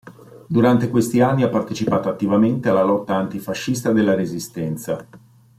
Durante questi anni ha partecipato attivamente alla lotta antifascista della resistenza.